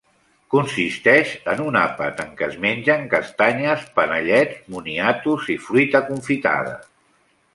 Consisteix en un àpat en què es mengen castanyes, panellets, moniatos i fruita confitada.